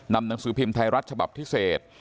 หนังสือพิมพ์ไทยรัฐฉบับพิเศษ